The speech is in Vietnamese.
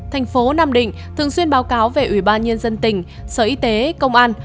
thành phố nam định thường xuyên báo cáo về ủy ban nhân dân tỉnh sở y tế công an